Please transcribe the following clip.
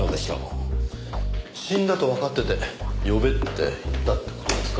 死んだとわかってて呼べって言ったって事ですか？